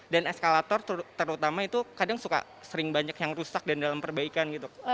dan eskalator terutama itu kadang suka sering banyak yang rusak dan dalam perbaikan gitu